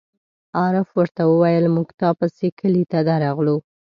عارف ور ته وویل: مونږ تا پسې کلي ته درغلو.